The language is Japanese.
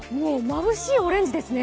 まぶしいオレンジですね。